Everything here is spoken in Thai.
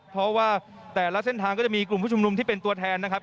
เพราะว่าแต่ละเส้นทางก็จะมีกลุ่มผู้ชุมนุมที่เป็นตัวแทนนะครับ